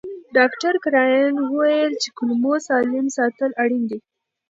ډاکټر کراین وویل چې کولمو سالم ساتل اړین دي.